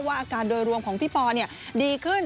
ว่าอาการโดยรวมของพี่ปอร์เนี่ยดีขึ้น